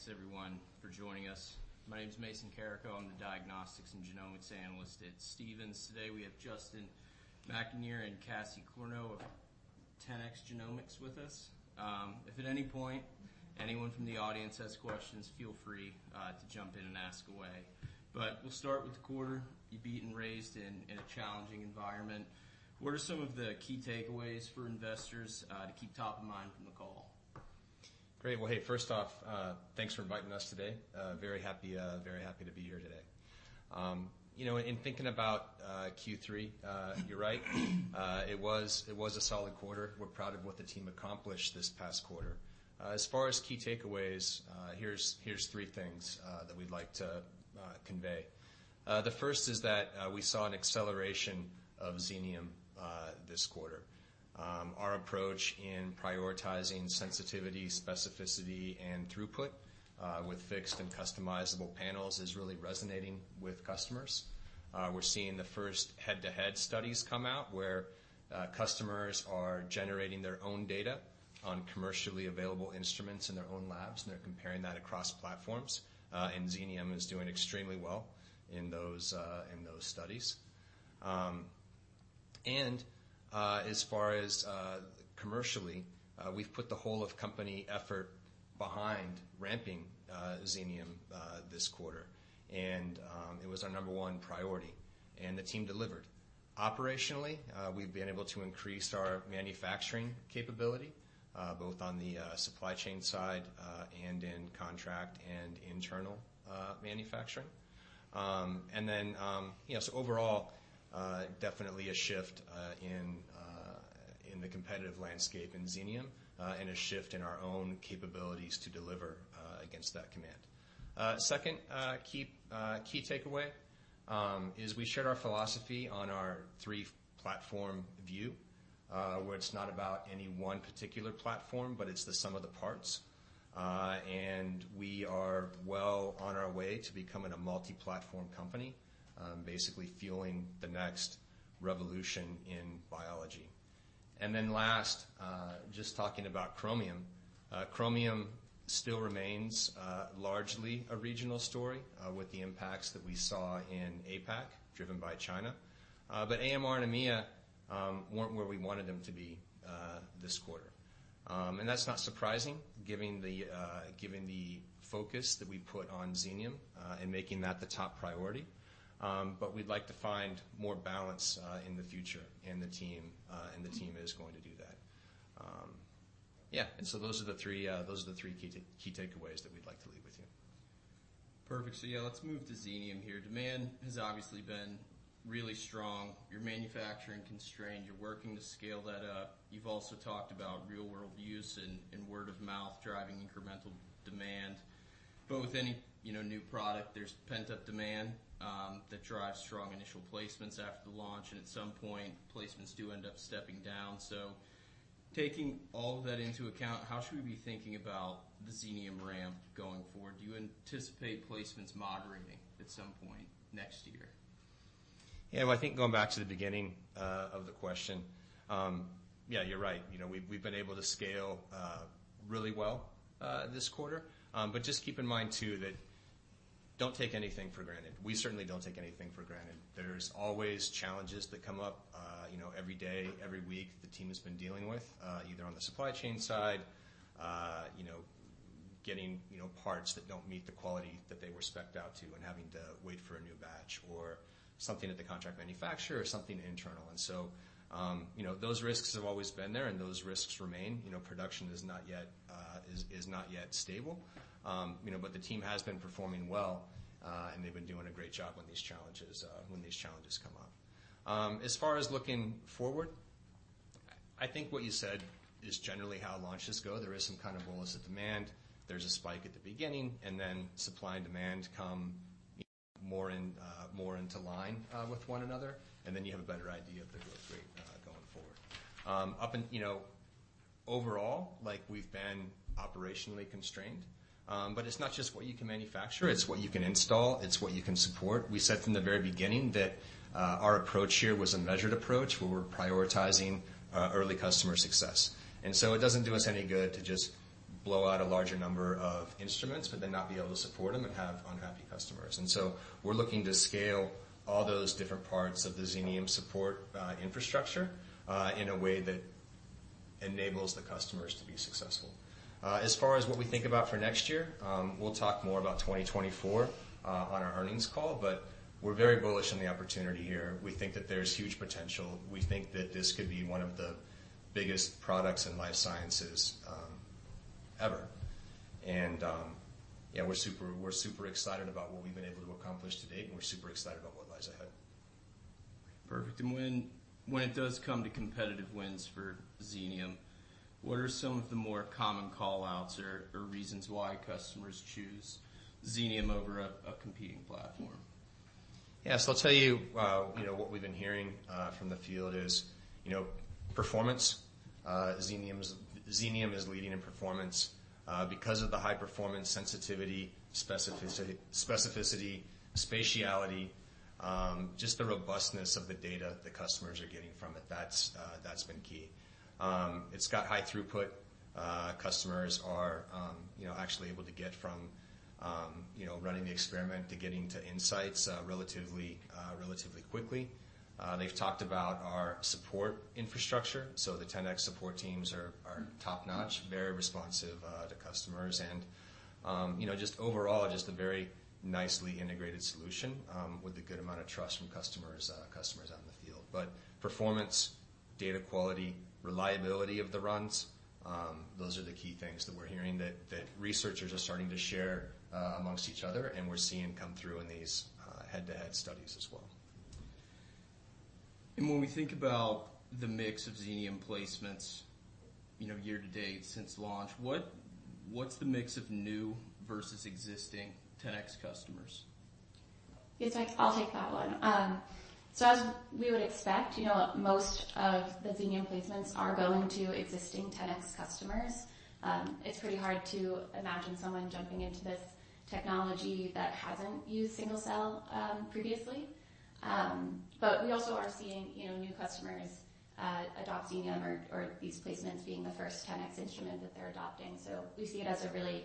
Thanks, everyone, for joining us. My name is Mason Carrico. I'm the Diagnostics and Genomics Analyst at Stephens. Today, we have Justin McAnear and Cassie Corneau of 10x Genomics with us. If at any point, anyone from the audience has questions, feel free to jump in and ask away. But we'll start with the quarter. You beat and raised in a challenging environment. What are some of the key takeaways for investors to keep top of mind from the call? Great. Well, hey, first off, thanks for inviting us today. Very happy, very happy to be here today. You know, in thinking about Q3, you're right. It was, it was a solid quarter. We're proud of what the team accomplished this past quarter. As far as key takeaways, here's, here's three things that we'd like to convey. The first is that we saw an acceleration of Xenium this quarter. Our approach in prioritizing sensitivity, specificity, and throughput with fixed and customizable panels is really resonating with customers. We're seeing the first head-to-head studies come out, where customers are generating their own data on commercially available instruments in their own labs, and they're comparing that across platforms, and Xenium is doing extremely well in those, in those studies. And, as far as commercially, we've put the whole of company effort behind ramping Xenium this quarter, and it was our number one priority, and the team delivered. Operationally, we've been able to increase our manufacturing capability both on the supply chain side, and in contract and internal manufacturing. And then, you know, so overall, definitely a shift in the competitive landscape in Xenium, and a shift in our own capabilities to deliver against that command. Second key takeaway is we shared our philosophy on our three-platform view, where it's not about any one particular platform, but it's the sum of the parts. And we are well on our way to becoming a multi-platform company, basically fueling the next revolution in biology. And then last, just talking about Chromium. Chromium still remains largely a regional story, with the impacts that we saw in APAC, driven by China. But AMR and EMEA weren't where we wanted them to be this quarter. And that's not surprising, given the focus that we put on Xenium and making that the top priority. But we'd like to find more balance in the future, and the team is going to do that. Yeah, and so those are the three key takeaways that we'd like to leave with you. Perfect. So yeah, let's move to Xenium here. Demand has obviously been really strong. You're manufacturing constrained, you're working to scale that up. You've also talked about real-world use and word of mouth driving incremental demand. But with any, you know, new product, there's pent-up demand that drives strong initial placements after the launch, and at some point, placements do end up stepping down. So taking all of that into account, how should we be thinking about the Xenium ramp going forward? Do you anticipate placements moderating at some point next year? Yeah, well, I think going back to the beginning of the question, yeah, you're right. You know, we've, we've been able to scale really well this quarter. But just keep in mind, too, that don't take anything for granted. We certainly don't take anything for granted. There's always challenges that come up, you know, every day, every week, the team has been dealing with either on the supply chain side, you know, getting, you know, parts that don't meet the quality that they were spec'd out to and having to wait for a new batch, or something at the contract manufacturer, or something internal. And so, you know, those risks have always been there, and those risks remain. You know, production is not yet stable, you know, but the team has been performing well, and they've been doing a great job on these challenges when these challenges come up. As far as looking forward, I think what you said is generally how launches go. There is some kind of bolus of demand. There's a spike at the beginning, and then supply and demand come more in, more into line with one another, and then you have a better idea of the growth rate going forward. You know, overall, like, we've been operationally constrained, but it's not just what you can manufacture, it's what you can install, it's what you can support. We said from the very beginning that our approach here was a measured approach, where we're prioritizing early customer success. And so it doesn't do us any good to just blow out a larger number of instruments, but then not be able to support them and have unhappy customers. And so we're looking to scale all those different parts of the Xenium support infrastructure in a way that enables the customers to be successful. As far as what we think about for next year, we'll talk more about 2024 on our earnings call, but we're very bullish on the opportunity here. We think that there's huge potential. We think that this could be one of the biggest products in life sciences ever. Yeah, we're super, we're super excited about what we've been able to accomplish to date, and we're super excited about what lies ahead. Perfect. And when it does come to competitive wins for Xenium, what are some of the more common call-outs or reasons why customers choose Xenium over a competing platform? Yeah. So I'll tell you, you know, what we've been hearing from the field is, you know, performance. Xenium is leading in performance because of the high performance, sensitivity, specificity, spatiality. Just the robustness of the data the customers are getting from it, that's, that's been key. It's got high throughput. Customers are, you know, actually able to get from, you know, running the experiment to getting to insights, relatively, relatively quickly. They've talked about our support infrastructure, so the 10x support teams are, are top-notch, very responsive to customers. And, you know, just overall, just a very nicely integrated solution with a good amount of trust from customers, customers out in the field. But performance, data quality, reliability of the runs, those are the key things that we're hearing that researchers are starting to share, among each other, and we're seeing come through in these head-to-head studies as well. When we think about the mix of Xenium placements, you know, year to date, since launch, what's the mix of new versus existing 10x customers? Yes, I'll take that one. So as we would expect, you know, most of the Xenium placements are going to existing 10x customers. It's pretty hard to imagine someone jumping into this technology that hasn't used single-cell previously. But we also are seeing, you know, new customers adopt Xenium or these placements being the first 10x instrument that they're adopting. So we see it as a really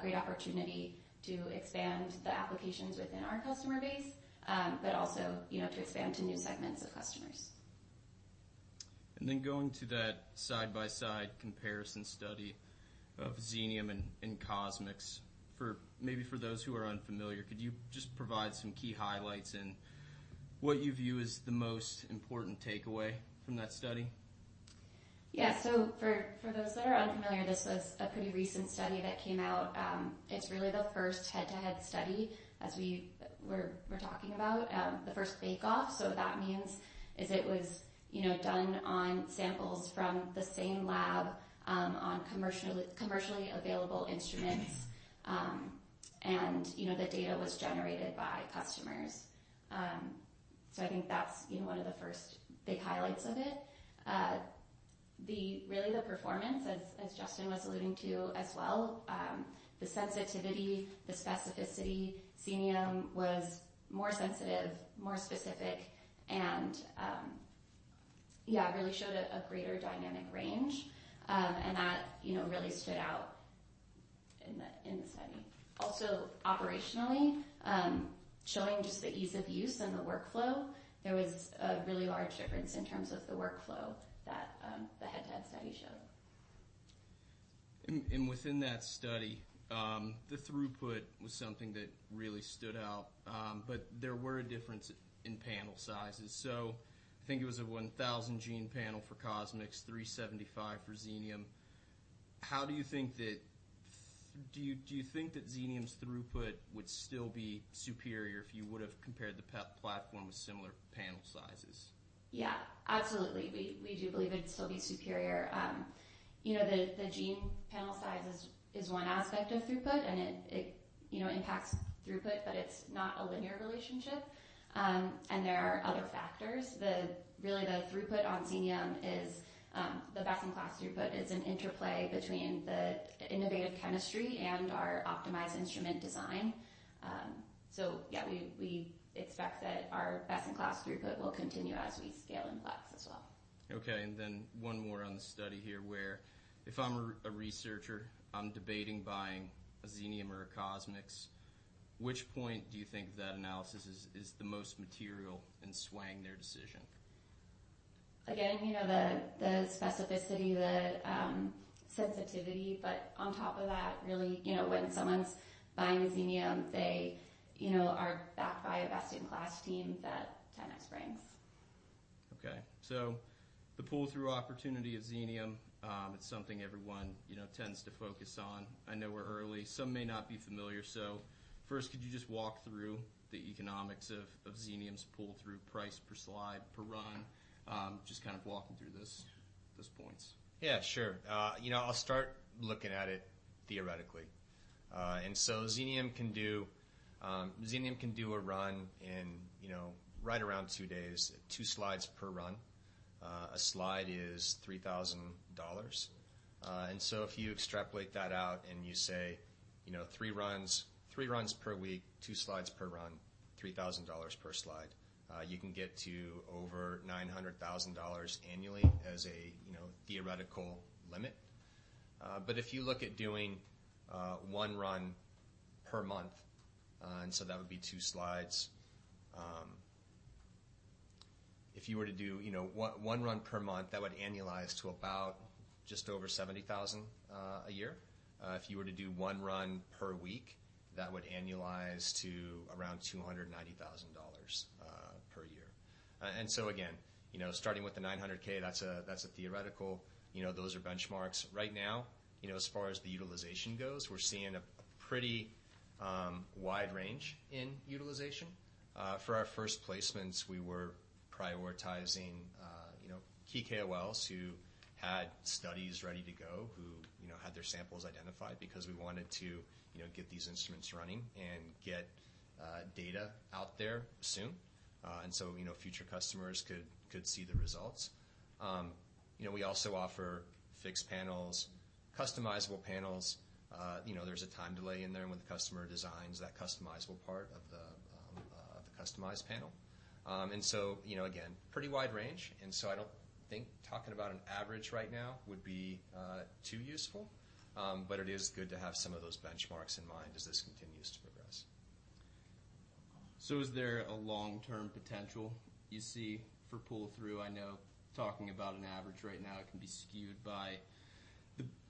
great opportunity to expand the applications within our customer base, but also, you know, to expand to new segments of customers. And then going to that side-by-side comparison study of Xenium and CosMx, maybe for those who are unfamiliar, could you just provide some key highlights and what you view as the most important takeaway from that study? Yeah. So for those that are unfamiliar, this was a pretty recent study that came out. It's really the first head-to-head study as we're talking about, the first bake-off. So what that means is it was, you know, done on samples from the same lab, on commercially available instruments, and, you know, the data was generated by customers. So I think that's, you know, one of the first big highlights of it. Really, the performance, as Justin was alluding to as well, the sensitivity, the specificity, Xenium was more sensitive, more specific, and, yeah, really showed a greater dynamic range, and that, you know, really stood out in the study. Also, operationally, showing just the ease of use and the workflow. There was a really large difference in terms of the workflow that, the head-to-head study showed. Within that study, the throughput was something that really stood out, but there were a difference in panel sizes. So I think it was a 1,000 gene panel for CosMx, 375 for Xenium. How do you think that. Do you think that Xenium's throughput would still be superior if you would have compared the platform with similar panel sizes? Yeah, absolutely. We do believe it'd still be superior. You know, the gene panel size is one aspect of throughput, and it you know impacts throughput, but it's not a linear relationship. And there are other factors. Really, the throughput on Xenium is the best-in-class throughput. It's an interplay between the innovative chemistry and our optimized instrument design. So yeah, we expect that our best-in-class throughput will continue as we scale in Flex as well. Okay, and then one more on the study here, where if I'm a researcher, I'm debating buying a Xenium or a CosMx, which point do you think that analysis is the most material in swaying their decision? Again, you know, the specificity, the sensitivity, but on top of that, really, you know, when someone's buying Xenium, they, you know, are backed by a best-in-class team that 10x brings. Okay. So the pull-through opportunity of Xenium, it's something everyone, you know, tends to focus on. I know we're early, some may not be familiar. So first, could you just walk through the economics of, of Xenium's pull-through price per slide, per run? Just kind of walking through this, those points. Yeah, sure. You know, I'll start looking at it theoretically. And so Xenium can do Xenium can do a run in, you know, right around two days, two slides per run. A slide is $3,000. And so if you extrapolate that out and you say, you know, three runs, three runs per week, three slides per run, $3,000 per slide, you can get to over $900,000 annually as a, you know, theoretical limit. But if you look at doing one run per month, and so that would be two slides, if you were to do, you know, one, one run per month, that would annualize to about just over $70,000 a year. If you were to do one run per week, that would annualize to around $290,000 per year. And so again, you know, starting with the $900,000, that's a theoretical, you know, those are benchmarks. Right now, you know, as far as the utilization goes, we're seeing a pretty wide range in utilization. For our first placements, we were prioritizing, you know, key KOLs who had studies ready to go, who, you know, had their samples identified because we wanted to, you know, get these instruments running and get data out there soon, and so, you know, future customers could see the results. You know, we also offer fixed panels. Customizable panels, you know, there's a time delay in there when the customer designs that customizable part of the, the customized panel. And so, you know, again, pretty wide range, and so I don't think talking about an average right now would be, too useful, but it is good to have some of those benchmarks in mind as this continues to progress. So is there a long-term potential you see for pull-through? I know, talking about an average right now, it can be skewed by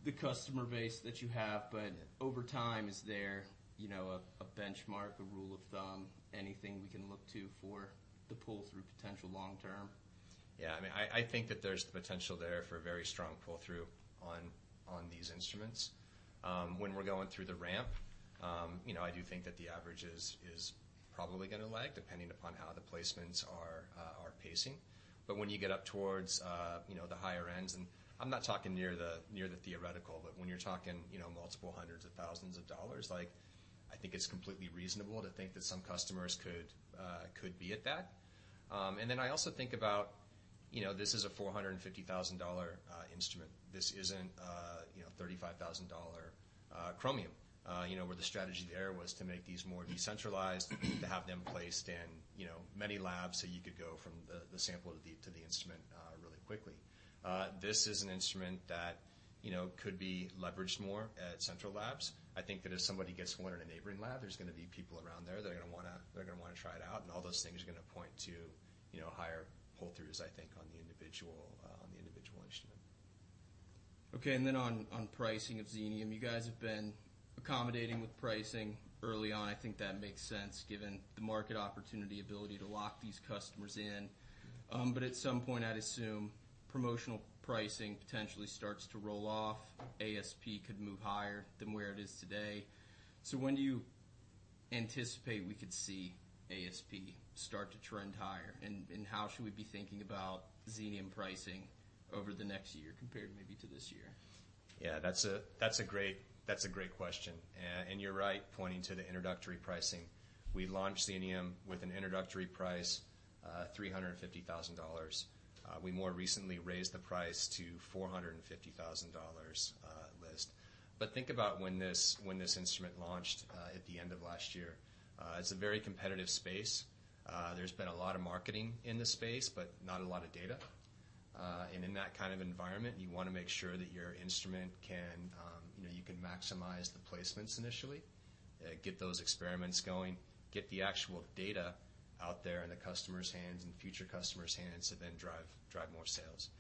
the customer base that you have, but over time, is there, you know, a benchmark, a rule of thumb, anything we can look to for the pull-through potential long term? Yeah, I mean, I think that there's the potential there for a very strong pull-through on these instruments. When we're going through the ramp, you know, I do think that the average is probably gonna lag, depending upon how the placements are pacing. But when you get up towards, you know, the higher ends, and I'm not talking near the theoretical, but when you're talking, you know, multiple hundreds of thousands of dollars, like, I think it's completely reasonable to think that some customers could be at that. And then I also think about, you know, this is a $450,000 instrument. This isn't a, you know, $35,000 Chromium. You know, where the strategy there was to make these more decentralized, to have them placed in, you know, many labs, so you could go from the, the sample to the, to the instrument, really quickly. This is an instrument that, you know, could be leveraged more at central labs. I think that if somebody gets one in a neighboring lab, there's gonna be people around there. They're gonna wanna try it out, and all those things are gonna point to, you know, higher pull-throughs, I think, on the individual instrument. Okay, and then on pricing of Xenium, you guys have been accommodating with pricing early on. I think that makes sense, given the market opportunity, ability to lock these customers in. But at some point, I'd assume promotional pricing potentially starts to roll off. ASP could move higher than where it is today. So when do you anticipate we could see ASP start to trend higher? And how should we be thinking about Xenium pricing over the next year compared maybe to this year? Yeah, that's a great question. And you're right, pointing to the introductory pricing. We launched Xenium with an introductory price of $350,000. We more recently raised the price to $450,000 list. But think about when this instrument launched, at the end of last year. It's a very competitive space. There's been a lot of marketing in this space, but not a lot of data. And in that kind of environment, you wanna make sure that your instrument can, you know, maximize the placements initially, get those experiments going, get the actual data out there in the customer's hands and future customers' hands, to then drive more sales.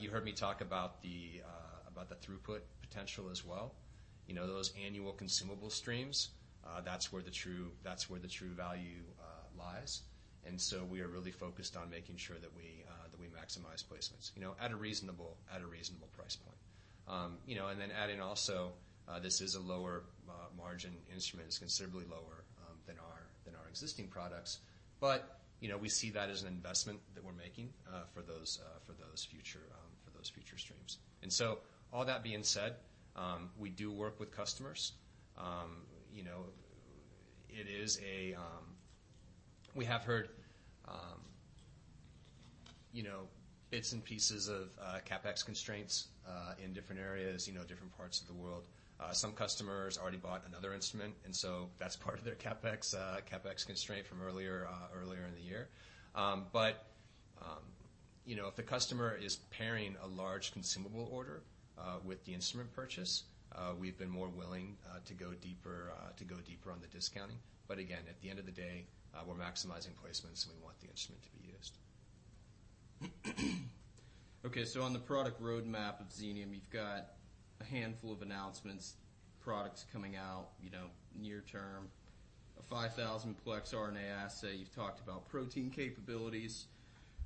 You heard me talk about the throughput potential as well. You know, those annual consumable streams, that's where the true, that's where the true value, lies. And so we are really focused on making sure that we, that we maximize placements, you know, at a reasonable, at a reasonable price point. You know, and then adding also, this is a lower, margin instrument. It's considerably lower, than our, than our existing products, but, you know, we see that as an investment that we're making, for those, for those future, for those future streams. And so all that being said, we do work with customers. You know, it is a, We have heard, you know, bits and pieces of, CapEx constraints, in different areas, you know, different parts of the world. Some customers already bought another instrument, and so that's part of their CapEx constraint from earlier in the year. But you know, if the customer is pairing a large consumable order with the instrument purchase, we've been more willing to go deeper on the discounting. But again, at the end of the day, we're maximizing placements, so we want the instrument to be used. Okay, so on the product roadmap of Xenium, you've got a handful of announcements, products coming out, you know, near term, a 5,000-plex RNA assay. You've talked about protein capabilities.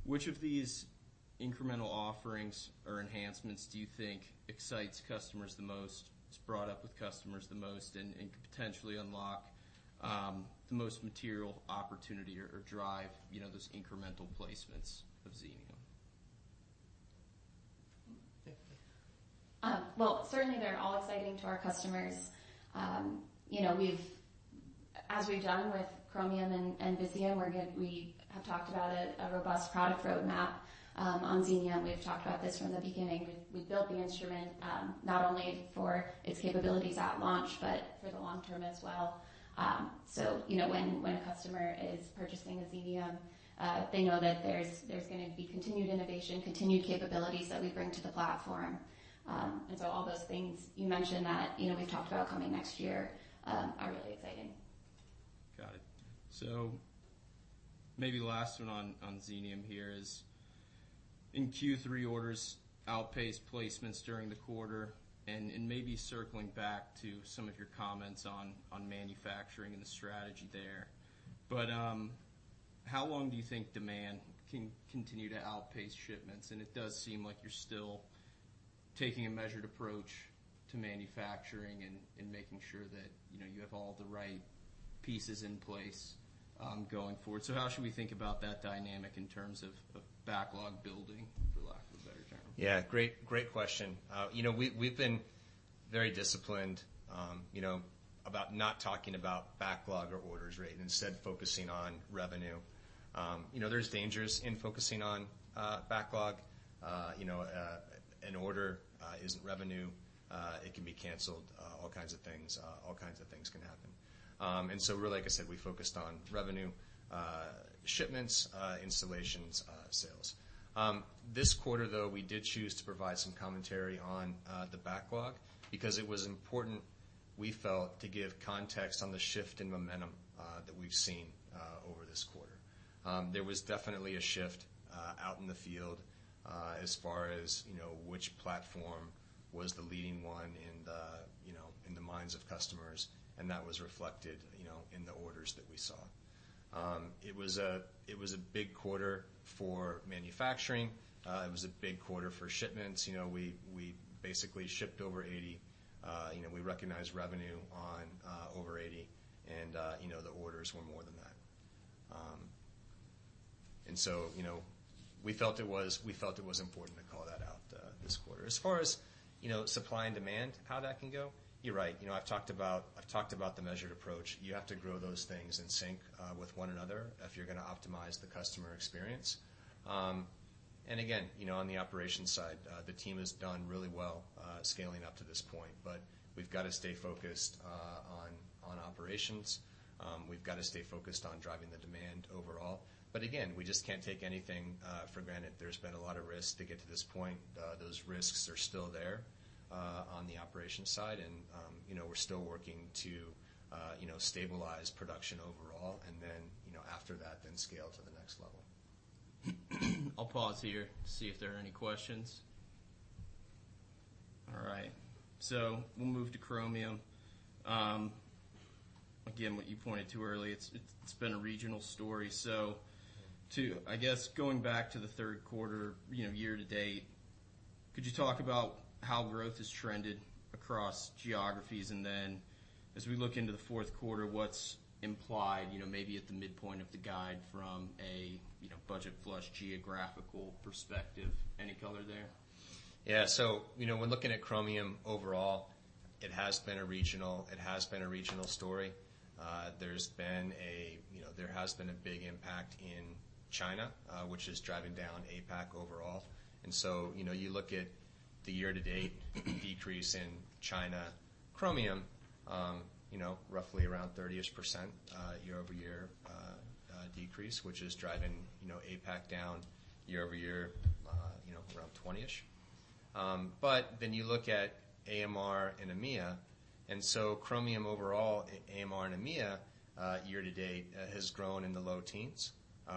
Which of these incremental offerings or enhancements do you think excites customers the most, is brought up with customers the most, and, and could potentially unlock the most material opportunity or, or drive, you know, those incremental placements of Xenium? Well, certainly they're all exciting to our customers. You know, as we've done with Chromium and Visium, we have talked about a robust product roadmap. On Xenium, we've talked about this from the beginning. We built the instrument, not only for its capabilities at launch, but for the long term as well. So, you know, when a customer is purchasing a Xenium, they know that there's gonna be continued innovation, continued capabilities that we bring to the platform. And so all those things you mentioned that, you know, we've talked about coming next year, are really exciting. Got it. So maybe the last one on Xenium here is: in Q3, orders outpaced placements during the quarter, and maybe circling back to some of your comments on manufacturing and the strategy there, but how long do you think demand can continue to outpace shipments? And it does seem like you're still taking a measured approach to manufacturing and making sure that, you know, you have all the right pieces in place, going forward. So how should we think about that dynamic in terms of backlog building, for lack of a better term? Yeah, great, great question. You know, we've been very disciplined, you know, about not talking about backlog or orders rate, instead focusing on revenue. You know, there's dangers in focusing on, you know, an order isn't revenue, it can be canceled, all kinds of things, all kinds of things can happen. And so really, like I said, we focused on revenue, shipments, installations, sales. This quarter, though, we did choose to provide some commentary on the backlog because it was important, we felt, to give context on the shift in momentum that we've seen over this quarter. There was definitely a shift out in the field as far as, you know, which platform was the leading one in the, you know, in the minds of customers, and that was reflected, you know, in the orders that we saw. It was a big quarter for manufacturing. It was a big quarter for shipments. You know, we basically shipped over 80, you know, we recognized revenue on over 80 and, you know, the orders were more than that. And so, you know, we felt it was important to call that out this quarter. As far as, you know, supply and demand, how that can go, you're right. You know, I've talked about the measured approach. You have to grow those things in sync with one another if you're gonna optimize the customer experience. And again, you know, on the operations side, the team has done really well scaling up to this point, but we've got to stay focused on operations. We've got to stay focused on driving the demand overall. But again, we just can't take anything for granted. There's been a lot of risk to get to this point. Those risks are still there on the operations side, and you know, we're still working to you know, stabilize production overall, and then, you know, after that, then scale to the next level. I'll pause here to see if there are any questions. All right, so we'll move to Chromium. Again, what you pointed to earlier, it's been a regional story. So I guess, going back to the third quarter, you know, year-to-date, could you talk about how growth has trended across geographies? And then as we look into the fourth quarter, what's implied, you know, maybe at the midpoint of the guide from a, you know, budget flush, geographical perspective, any color there? Yeah. So, you know, when looking at Chromium overall, it has been a regional story. There's been a big impact in China, which is driving down APAC overall. And so, you know, you look at the year-to-date decrease in China, Chromium, roughly around 30-ish%, year-over-year decrease, which is driving APAC down year-over-year, around 20-ish%. But then you look at AMR and EMEA, and so Chromium overall, AMR and EMEA, year-to-date, has grown in the low teens.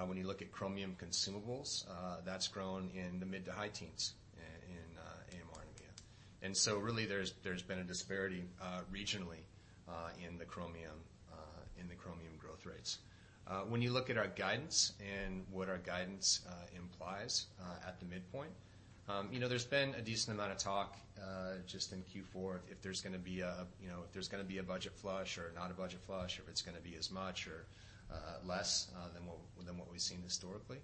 When you look at Chromium consumables, that's grown in the mid- to high teens in AMR and EMEA. And so really, there's been a disparity, regionally, in the Chromium growth rates. When you look at our guidance and what our guidance implies, at the midpoint, you know, there's been a decent amount of talk, just in Q4, if there's gonna be a, you know, if there's gonna be a budget flush or not a budget flush, or if it's gonna be as much or, less, than what we've seen historically.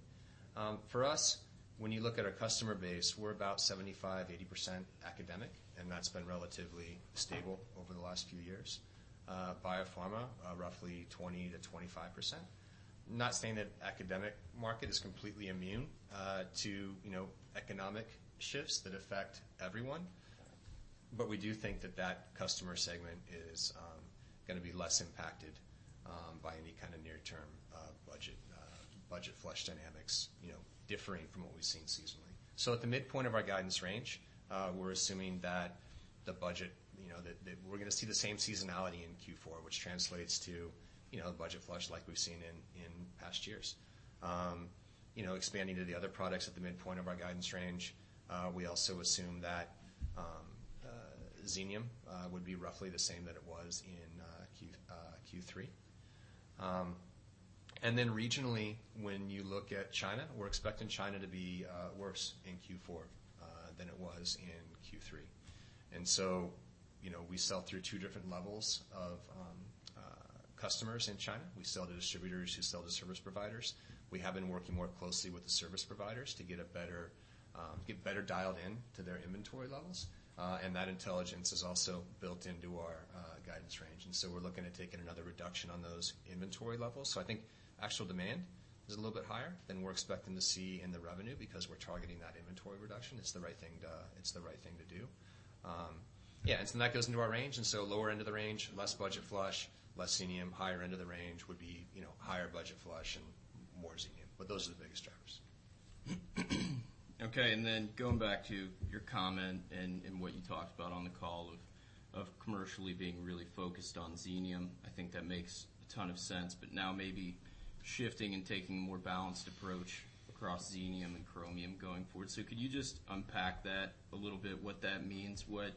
For us, when you look at our customer base, we're about 75%-80% academic, and that's been relatively stable over the last few years. Biopharma, roughly 20%-25%. I'm not saying that academic market is completely immune to, you know, economic shifts that affect everyone, but we do think that that customer segment is gonna be less impacted by any kind of near-term budget flush dynamics, you know, differing from what we've seen seasonally. So at the midpoint of our guidance range, we're assuming that the budget, you know, that we're gonna see the same seasonality in Q4, which translates to, you know, the budget flush like we've seen in past years. You know, expanding to the other products at the midpoint of our guidance range, we also assume that Xenium would be roughly the same that it was in Q3. And then regionally, when you look at China, we're expecting China to be worse in Q4 than it was in Q3. And so, you know, we sell through two different levels of customers in China. We sell to distributors who sell to service providers. We have been working more closely with the service providers to get better dialed in to their inventory levels, and that intelligence is also built into our guidance range. And so we're looking at taking another reduction on those inventory levels. So I think actual demand is a little bit higher than we're expecting to see in the revenue because we're targeting that inventory reduction. It's the right thing to do. Yeah, and so that goes into our range, and so lower end of the range, less budget flush, less Xenium. Higher end of the range would be, you know, higher budget flush and more Xenium. But those are the biggest drivers. Okay, and then going back to your comment and what you talked about on the call of commercially being really focused on Xenium, I think that makes a ton of sense, but now maybe shifting and taking a more balanced approach across Xenium and Chromium going forward. So could you just unpack that a little bit, what that means? What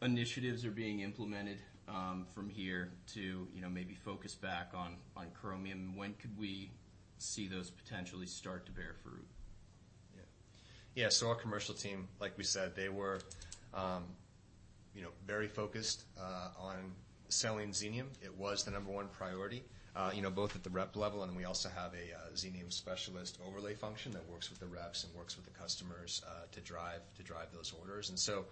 initiatives are being implemented from here to, you know, maybe focus back on Chromium? When could we see those potentially start to bear fruit? Yeah. Yeah, so our commercial team, like we said, they were, you know, very focused on selling Xenium. It was the number one priority, you know, both at the rep level, and we also have a Xenium specialist overlay function that works with the reps and works with the customers to drive those orders. And so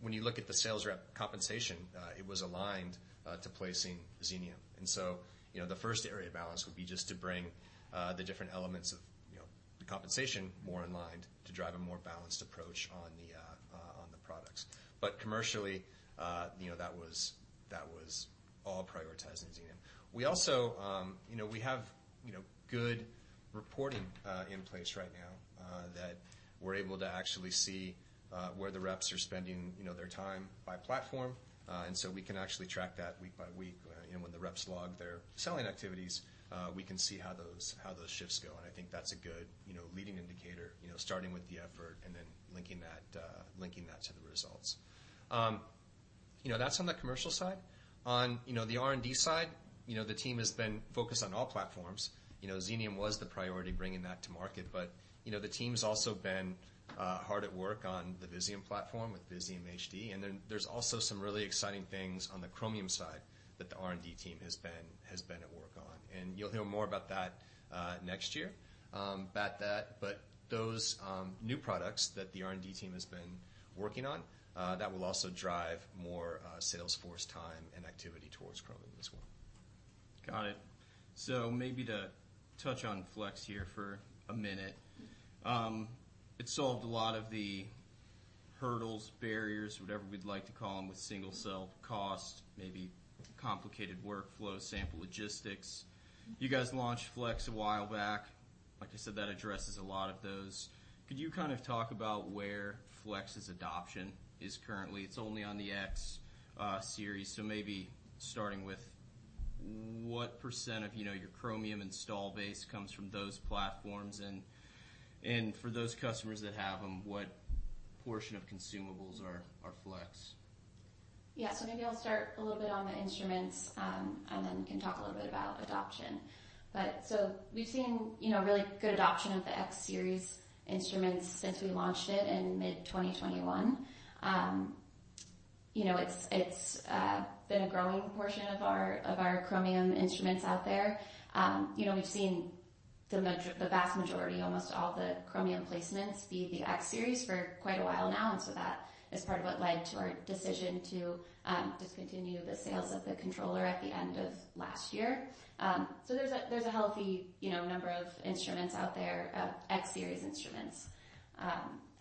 when you look at the sales rep compensation, it was aligned to placing Xenium. And so, you know, the first area of balance would be just to bring the different elements of, you know, the compensation more in line to drive a more balanced approach on the products. But commercially, you know, that was, that was all prioritized in Xenium. We also, you know, we have, you know, good reporting in place right now that we're able to actually see where the reps are spending, you know, their time by platform. And so we can actually track that week by week. And when the reps log their selling activities, we can see how those shifts go. And I think that's a good, you know, leading indicator, you know, starting with the effort and then linking that to the results. You know, that's on the commercial side. On the R&D side, you know, the team has been focused on all platforms. You know, Xenium was the priority, bringing that to market, but, you know, the team's also been hard at work on the Visium platform, with Visium HD. And then there's also some really exciting things on the Chromium side that the R&D team has been at work on, and you'll hear more about that next year. But those new products that the R&D team has been working on that will also drive more sales force time and activity towards Chromium as well. Got it. So maybe to touch on Flex here for a minute. It solved a lot of the hurdles, barriers, whatever we'd like to call them, with single-cell cost, maybe complicated workflow, sample logistics. You guys launched Flex a while back. Like I said, that addresses a lot of those. Could you kind of talk about where Flex's adoption is currently? It's only on the X Series, so maybe starting with what percent of, you know, your Chromium install base comes from those platforms? And for those customers that have them, what portion of consumables are Flex? Yeah, so maybe I'll start a little bit on the instruments, and then we can talk a little bit about adoption. But, so we've seen, you know, really good adoption of the X Series instruments since we launched it in mid-2021. You know, it's, it's, been a growing portion of our, of our Chromium instruments out there. You know, we've seen the vast majority, almost all the Chromium placements, be the X Series for quite a while now, and so that is part of what led to our decision to discontinue the sales of the controller at the end of last year. So there's a, there's a healthy, you know, number of instruments out there, X Series instruments.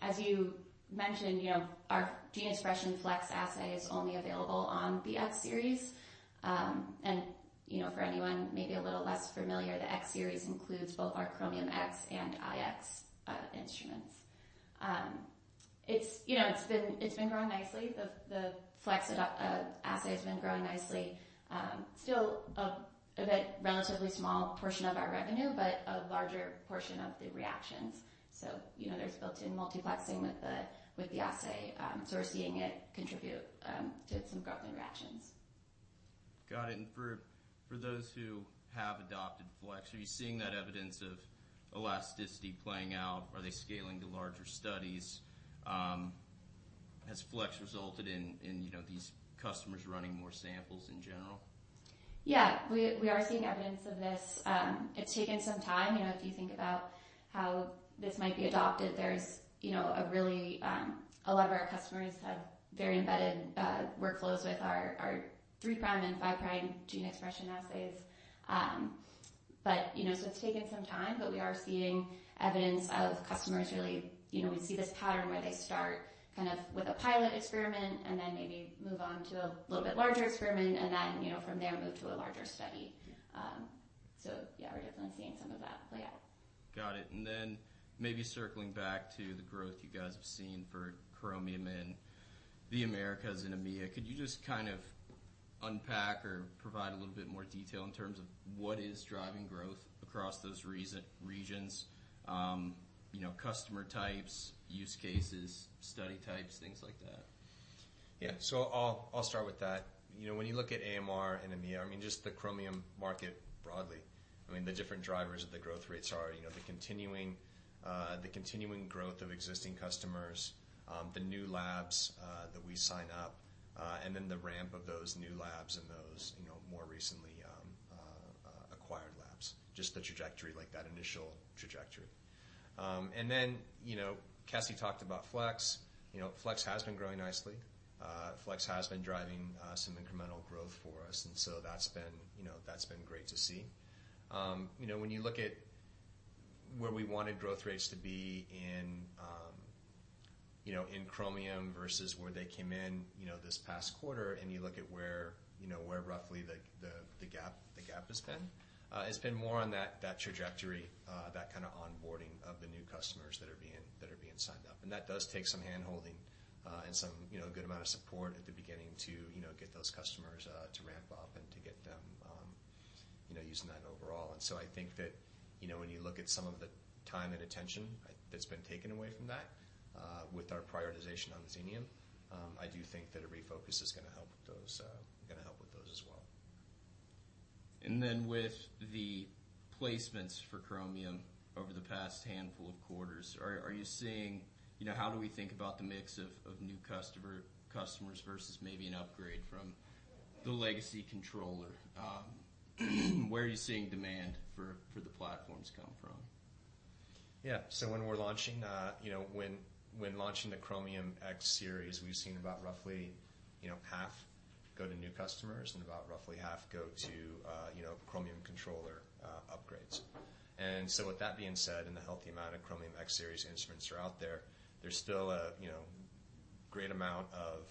As you mentioned, you know, our Gene Expression Flex assay is only available on the X Series. And, you know, for anyone maybe a little less familiar, the X Series includes both our Chromium X and iX instruments. It's, you know, it's been growing nicely. The Flex assay has been growing nicely. Still a bit relatively small portion of our revenue, but a larger portion of the reactions. So, you know, there's built-in multiplexing with the assay, so we're seeing it contribute to some growth in reactions. Got it. And for those who have adopted Flex, are you seeing that evidence of elasticity playing out? Are they scaling to larger studies? Has Flex resulted in, you know, these customers running more samples in general? Yeah, we are seeing evidence of this. It's taken some time. You know, if you think about how this might be adopted, there's, you know, a really, a lot of our customers have very embedded workflows with our, our three-prime and five-prime gene expression assays. But, you know, so it's taken some time, but we are seeing evidence of customers really, You know, we see this pattern where they start kind of with a pilot experiment and then maybe move on to a little bit larger experiment and then, you know, from there, move to a larger study. So yeah, we're definitely seeing some of that play out. Got it. And then maybe circling back to the growth you guys have seen for Chromium in the Americas and EMEA, could you just kind of unpack or provide a little bit more detail in terms of what is driving growth across those regions? You know, customer types, use cases, study types, things like that. Yeah. So I'll, I'll start with that. You know, when you look at AMR and EMEA, I mean, just the Chromium market broadly, I mean, the different drivers of the growth rates are, you know, the continuing growth of existing customers, the new labs that we sign up, and then the ramp of those new labs and those, you know, more recently acquired labs, just the trajectory, like that initial trajectory. And then, you know, Cassie talked about Flex. You know, Flex has been growing nicely. Flex has been driving some incremental growth for us, and so that's been, you know, that's been great to see. You know, when you look at where we wanted growth rates to be in, you know, in Chromium versus where they came in, you know, this past quarter, and you look at where, you know, where roughly the gap has been, it's been more on that trajectory, that kind of onboarding of the new customers that are being signed up. And that does take some handholding, and some, you know, good amount of support at the beginning to, you know, get those customers to ramp up and to get them, you know, using that overall. And so I think that, you know, when you look at some of the time and attention that's been taken away from that, with our prioritization on Xenium, I do think that a refocus is gonna help with those, gonna help with those as well. And then with the placements for Chromium over the past handful of quarters, are you seeing, you know, how do we think about the mix of new customers versus maybe an upgrade from the legacy controller? Where are you seeing demand for the platforms come from? Yeah. So when we're launching, you know, when launching the Chromium X Series, we've seen about roughly, you know, half go to new customers and about roughly half go to, you know, Chromium Controller upgrades. And so with that being said, and a healthy amount of Chromium X Series instruments are out there, there's still a, you know, great amount of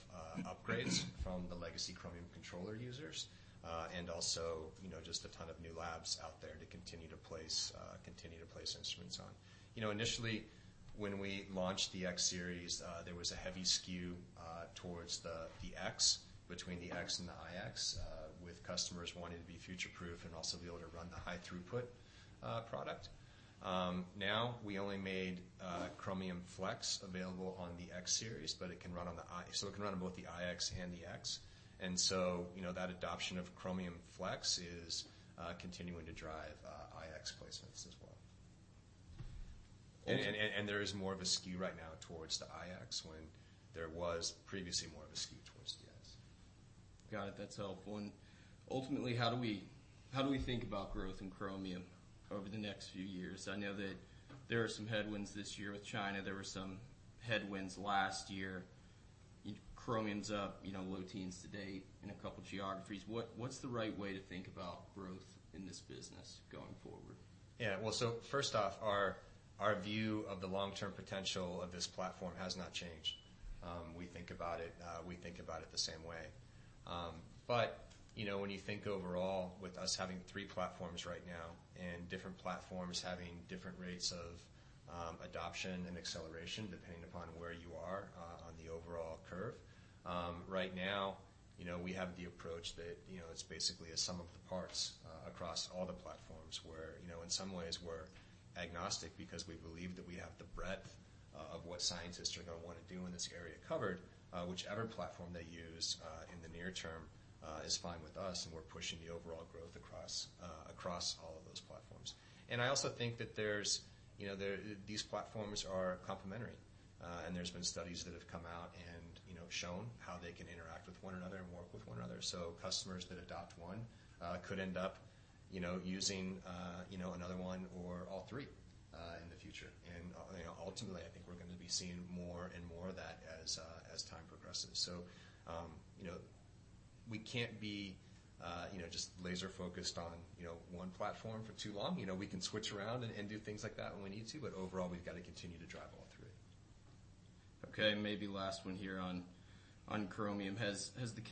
upgrades from the legacy Chromium Controller users, and also, you know, just a ton of new labs out there to continue to place instruments on. You know, initially, when we launched the X Series, there was a heavy skew towards the X, between the X and the iX, with customers wanting to be future-proof and also be able to run the high throughput product. Now we only made Chromium Flex available on the X Series, but it can run on the iX so it can run on both the iX and the X. And so, you know, that adoption of Chromium Flex is continuing to drive iX placements as well. And there is more of a skew right now towards the iX, when there was previously more of a skew towards the X. Got it. That's helpful. And ultimately, how do we, how do we think about growth in Chromium over the next few years? I know that there are some headwinds this year with China. There were some headwinds last year. Chromium's up, you know, low teens to date in a couple of geographies. What, what's the right way to think about growth in this business going forward? Yeah. Well, so first off, our, our view of the long-term potential of this platform has not changed. We think about it, we think about it the same way. But, you know, when you think overall, with us having three platforms right now, and different platforms having different rates of adoption and acceleration, depending upon where you are on the overall curve, right now, you know, we have the approach that, you know, it's basically a sum of the parts across all the platforms, where, you know, in some ways, we're agnostic because we believe that we have the breadth of what scientists are gonna want to do in this area covered. Whichever platform they use in the near term is fine with us, and we're pushing the overall growth across all of those platforms. I also think that there's, you know, these platforms are complementary, and there's been studies that have come out and, you know, shown how they can interact with one another and work with one another. So customers that adopt one could end up, you know, using, you know, another one or all three in the future. And ultimately, I think we're gonna be seeing more and more of that as, as time progresses. So, you know, we can't be, you know, just laser-focused on, you know, one platform for too long. You know, we can switch around and do things like that when we need to, but overall, we've got to continue to drive all three. Okay, maybe last one here on Chromium. Has the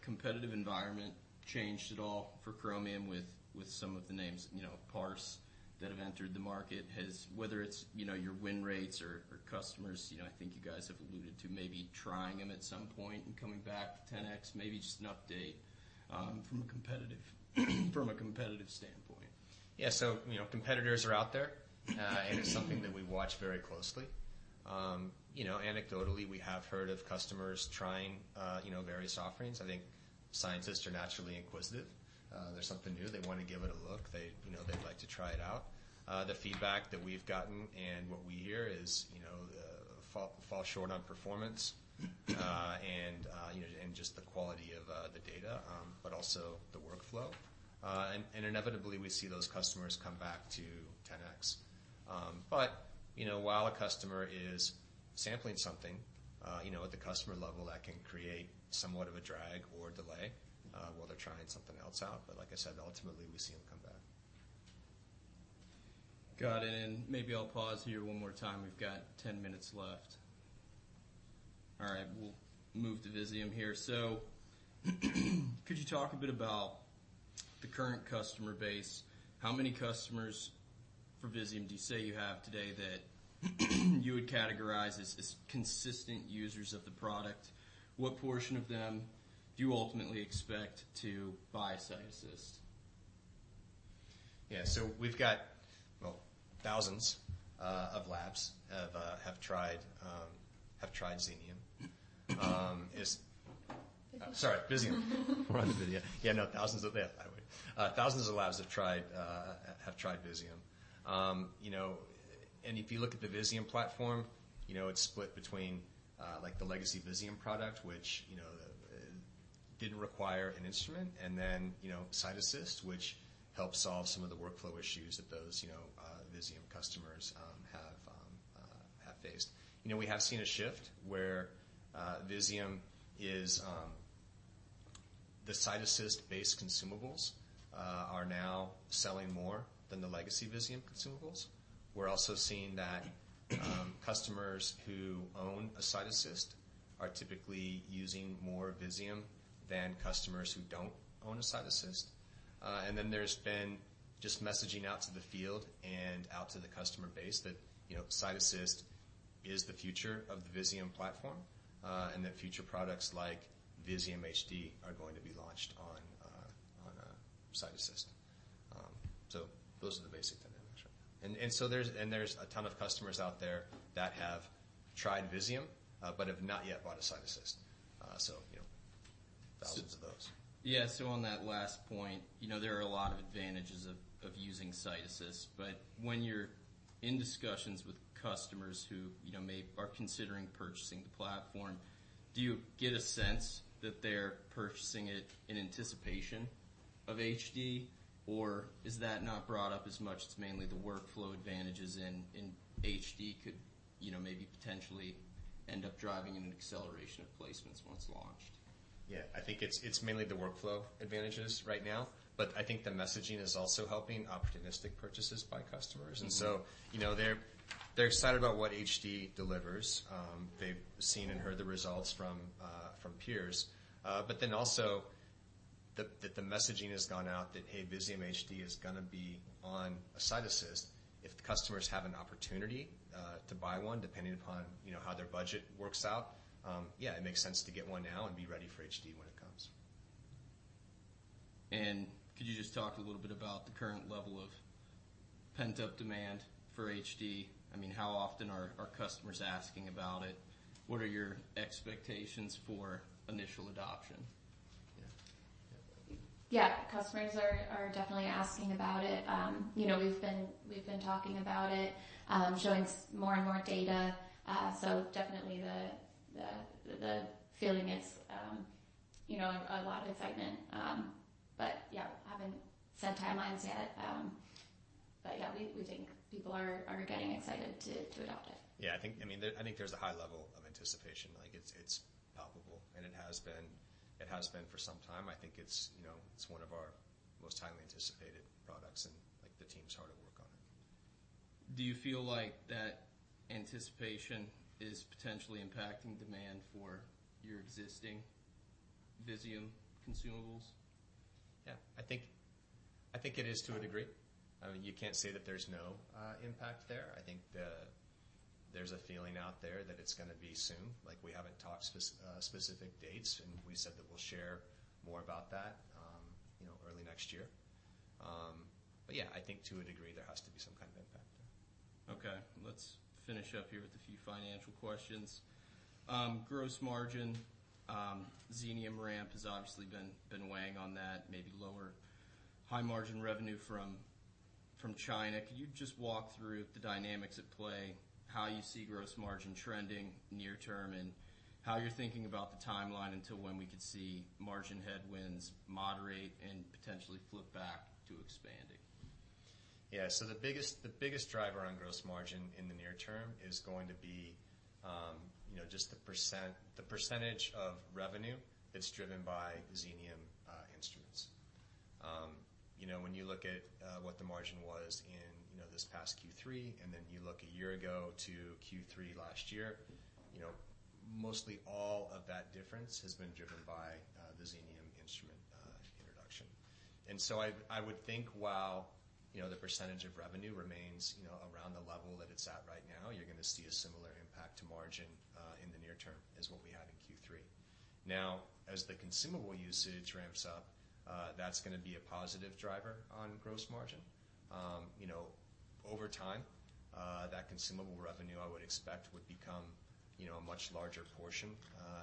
competitive environment changed at all for Chromium with some of the names, you know, parts that have entered the market? Has, whether it's, you know, your win rates or customers, you know, I think you guys have alluded to maybe trying them at some point and coming back to 10x, maybe just an update from a competitive standpoint. Yeah, so, you know, competitors are out there, and it's something that we watch very closely. You know, anecdotally, we have heard of customers trying, you know, various offerings. I think scientists are naturally inquisitive. There's something new, they want to give it a look. They, you know, they'd like to try it out. The feedback that we've gotten and what we hear is, you know, fall short on performance, and just the quality of the data, but also the workflow. Inevitably, we see those customers come back to 10x. But, you know, while a customer is sampling something, you know, at the customer level, that can create somewhat of a drag or delay, while they're trying something else out. But like I said, ultimately, we see them come back. Got it, and maybe I'll pause here one more time. We've got 10 minutes left. All right, we'll move to Visium here. So, could you talk a bit about the current customer base? How many customers for Visium do you say you have today that you would categorize as, as consistent users of the product? What portion of them do you ultimately expect to buy CytAssist? Yeah. So we've got, well, thousands of labs have tried Xenium. Visium. Sorry, Visium. We're on the video. Yeah, no, thousands of that. Thousands of labs have tried Visium. You know, and if you look at the Visium platform, you know, it's split between, like, the legacy Visium product, which, you know, didn't require an instrument, and then, you know, CytAssist, which helps solve some of the workflow issues that those Visium customers have faced. You know, we have seen a shift where Visium, the CytAssist-based consumables, are now selling more than the legacy Visium consumables. We're also seeing that customers who own a CytAssist are typically using more Visium than customers who don't own a CytAssist. And then there's been just messaging out to the field and out to the customer base that, you know, CytAssist is the future of the Visium platform, and that future products like Visium HD are going to be launched on CytAssist. So those are the basic dynamics. And so there's a ton of customers out there that have tried Visium, but have not yet bought a CytAssist. So, you know, thousands of those. Yeah, so on that last point, you know, there are a lot of advantages of using CytAssist, but when you're in discussions with customers who, you know, are considering purchasing the platform, do you get a sense that they're purchasing it in anticipation of HD? Or is that not brought up as much as mainly the workflow advantages, and HD could, you know, maybe potentially end up driving an acceleration of placements once launched? Yeah, I think it's, it's mainly the workflow advantages right now, but I think the messaging is also helping opportunistic purchases by customers. Mm-hmm. And so, you know, they're, they're excited about what HD delivers. They've seen and heard the results from, from peers. But then also that, that the messaging has gone out that, hey, Visium HD is gonna be on a CytAssist. If the customers have an opportunity, to buy one, depending upon, you know, how their budget works out, yeah, it makes sense to get one now and be ready for HD when it comes. Could you just talk a little bit about the current level of pent-up demand for HD? I mean, how often are customers asking about it? What are your expectations for initial adoption? Yeah. Yeah. Customers are definitely asking about it. You know, we've been talking about it, showing more and more data. So definitely the feeling is, you know, a lot of excitement. But yeah, I haven't set timelines yet, but yeah, we think people are getting excited to adopt it. Yeah, I think. I mean, I think there's a high level of anticipation. Like, it's, it's palpable, and it has been, it has been for some time. I think it's, you know, it's one of our most highly anticipated products, and, like, the team's hard at work on it. Do you feel like that anticipation is potentially impacting demand for your existing Visium consumables? Yeah. I think, I think it is to a degree. I mean, you can't say that there's no impact there. I think there's a feeling out there that it's gonna be soon. Like, we haven't talked specific dates, and we said that we'll share more about that, you know, early next year. But yeah, I think to a degree, there has to be some kind of impact there. Okay, let's finish up here with a few financial questions. Gross margin, Xenium ramp has obviously been weighing on that, maybe lower high-margin revenue from China. Could you just walk through the dynamics at play, how you see gross margin trending near term, and how you're thinking about the timeline until when we could see margin headwinds moderate and potentially flip back to expanding? Yeah. So the biggest, the biggest driver on gross margin in the near term is going to be, you know, just the percentage of revenue that's driven by Xenium instruments. You know, when you look at what the margin was in, you know, this past Q3, and then you look a year ago to Q3 last year, you know, mostly all of that difference has been driven by the Xenium instrument introduction. And so I would think while, you know, the percentage of revenue remains, you know, around the level that it's at right now, you're gonna see a similar impact to margin in the near term as what we had in Q3. Now, as the consumable usage ramps up, that's gonna be a positive driver on gross margin. You know, over time, that consumable revenue, I would expect, would become, you know, a much larger portion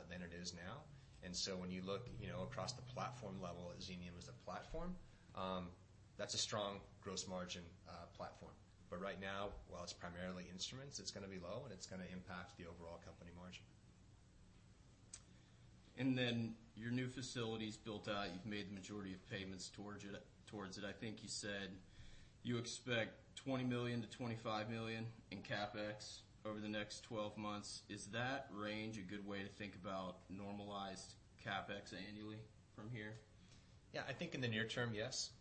than it is now. And so when you look, you know, across the platform level, Xenium as a platform, that's a strong gross margin platform. But right now, while it's primarily instruments, it's gonna be low, and it's gonna impact the overall company margin. And then your new facility's built out. You've made the majority of payments towards it, towards it. I think you said you expect $20 million-$25 million in CapEx over the next 12 months. Is that range a good way to think about normalized CapEx annually from here? Yeah, I think in the near term, yes,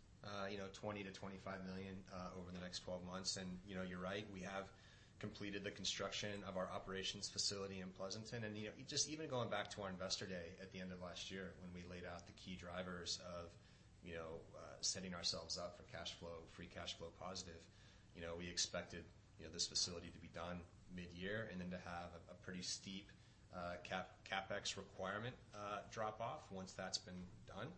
you know, $20 million-$25 million over the next 12 months. And, you know, you're right, we have completed the construction of our operations facility in Pleasanton. And, you know, just even going back to our Investor Day at the end of last year, when we laid out the key drivers of, you know, setting ourselves up for cash flow, free cash flow positive, you know, we expected, you know, this facility to be done mid-year and then to have a pretty steep CapEx requirement drop-off, once that's been done.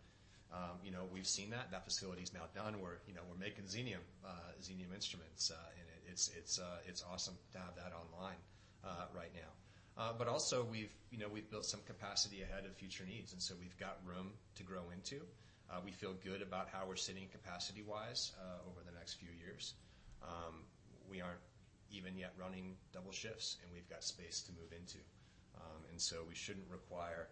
You know, we've seen that. That facility is now done. We're, you know, we're making Xenium instruments, and it's awesome to have that online right now. But also we've, you know, we've built some capacity ahead of future needs, and so we've got room to grow into. We feel good about how we're sitting capacity-wise over the next few years. We aren't even yet running double shifts, and we've got space to move into. And so we shouldn't require,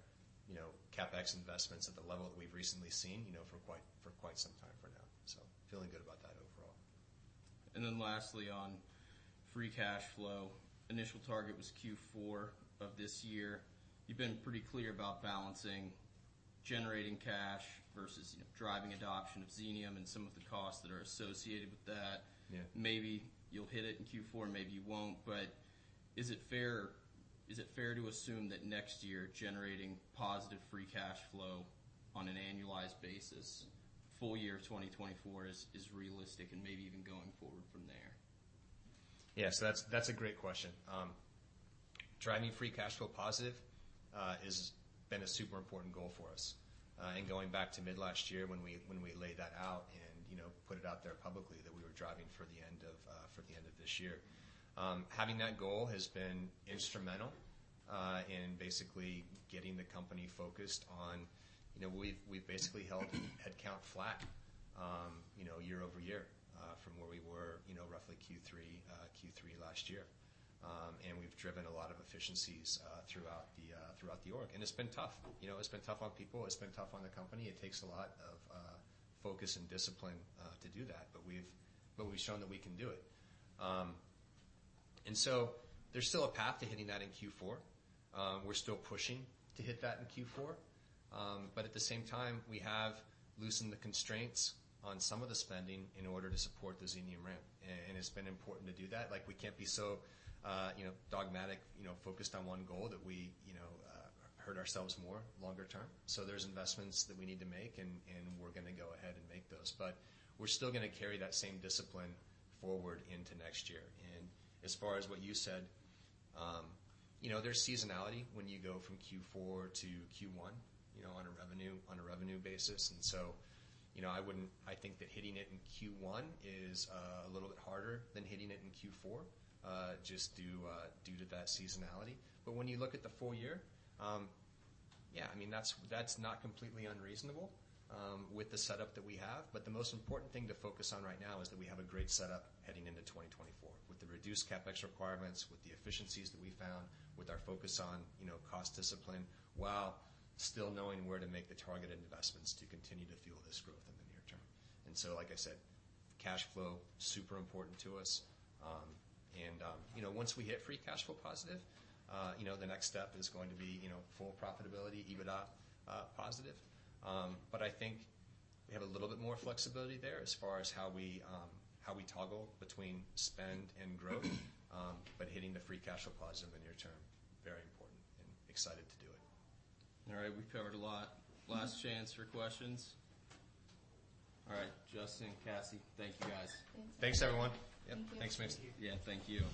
you know, CapEx investments at the level that we've recently seen, you know, for quite some time for now. So feeling good about that overall. Lastly, on free cash flow, initial target was Q4 of this year. You've been pretty clear about balancing generating cash versus, you know, driving adoption of Xenium and some of the costs that are associated with that. Yeah. Maybe you'll hit it in Q4, maybe you won't. But is it fair, is it fair to assume that next year, generating positive free cash flow on an annualized basis, full year 2024 is, is realistic and maybe even going forward from there? Yeah, so that's a great question. Driving free cash flow positive has been a super important goal for us. And going back to mid-last year, when we laid that out and, you know, put it out there publicly, that we were driving for the end of this year. Having that goal has been instrumental. And basically getting the company focused on, you know, we've basically held headcount flat, you know, year-over-year, from where we were, you know, roughly Q3 last year. And we've driven a lot of efficiencies throughout the org. And it's been tough. You know, it's been tough on people, it's been tough on the company. It takes a lot of focus and discipline to do that. But we've shown that we can do it. And so there's still a path to hitting that in Q4. We're still pushing to hit that in Q4. But at the same time, we have loosened the constraints on some of the spending in order to support the Xenium ramp, and it's been important to do that. Like, we can't be so, you know, dogmatic, you know, focused on one goal that we, you know, hurt ourselves more longer term. So there's investments that we need to make, and we're going to go ahead and make those. But we're still going to carry that same discipline forward into next year. And as far as what you said, you know, there's seasonality when you go from Q4 to Q1, you know, on a revenue, on a revenue basis. And so, you know, I wouldn't-- I think that hitting it in Q1 is a little bit harder than hitting it in Q4, just due to that seasonality. But when you look at the full year, yeah, I mean, that's not completely unreasonable with the setup that we have. But the most important thing to focus on right now is that we have a great setup heading into 2024, with the reduced CapEx requirements, with the efficiencies that we found, with our focus on, you know, cost discipline, while still knowing where to make the targeted investments to continue to fuel this growth in the near term. And so, like I said, cash flow, super important to us. And, you know, once we hit free cash flow positive, you know, the next step is going to be, you know, full profitability, EBITDA positive. But I think we have a little bit more flexibility there as far as how we, how we toggle between spend and growth, but hitting the free cash flow positive in the near term, very important and excited to do it. All right, we've covered a lot. Last chance for questions. All right, Justin, Cassie, thank you, guys. Thank you. Thanks, everyone. Thank you. Thanks, Mason. Yeah, thank you.